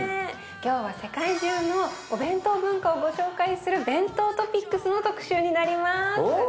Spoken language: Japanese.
今日は世界中のお弁当文化をご紹介する「ＢＥＮＴＯＴＯＰＩＣＳ」の特集になります。